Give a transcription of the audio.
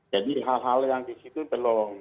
jadi hal hal yang di situ belum